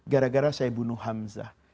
gara gara saya bunuh hamzah